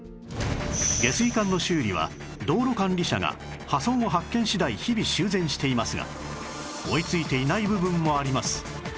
下水管の修理は道路管理者が破損を発見次第日々修繕していますが追いついていない部分もあります